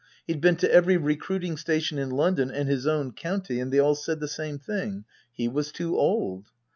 He'd been to every recruiting station in London and his own county, and they all said the same thing. He was too old.